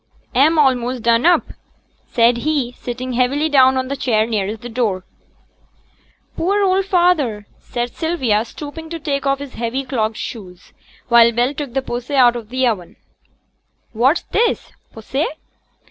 'A'm a'most done up,' said he, sitting heavily down on the chair nearest the door. 'Poor old feyther!' said Sylvia, stooping to take off his heavy clogged shoes; while Bell took the posset out of the oven. 'What's this? posset?